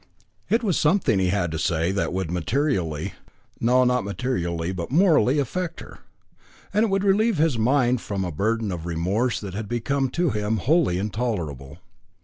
It was something he had to say that would materially no, not materially, but morally affect her, and would relieve his mind from a burden of remorse that had become to him wholly intolerable.